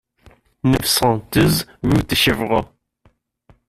neuf cent douze route de Chevroux